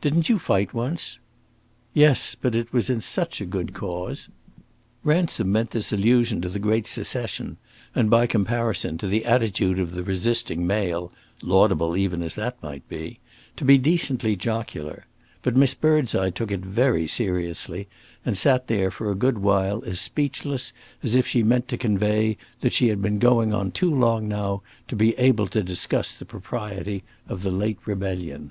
"Didn't you fight once?" "Yes; but it was in such a good cause!" Ransom meant this allusion to the great Secession and, by comparison, to the attitude of the resisting male (laudable even as that might be), to be decently jocular; but Miss Birdseye took it very seriously, and sat there for a good while as speechless as if she meant to convey that she had been going on too long now to be able to discuss the propriety of the late rebellion.